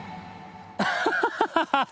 ハハハ